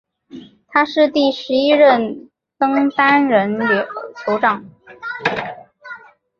他是第十一任登丹人酋长。